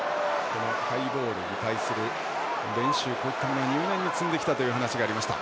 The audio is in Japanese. ハイボールに対する練習を入念に積んできたという話がありました。